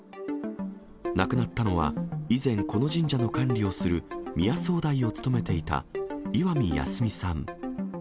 亡くなったのは、以前、この神社の管理をする宮総代を務めていた石見安己さん。